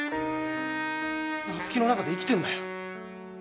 夏生の中で生きてんだよ。